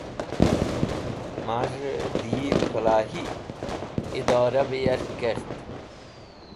Maz̃hey de yi Falahi Idorah be yark kert